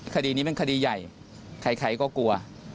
คดีนี้มันคดีใหญ่ใครก็กลัว